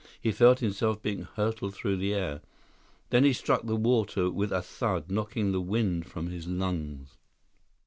He felt himself being hurled through the air. Then he struck the water with a thud, knocking the wind from his lungs.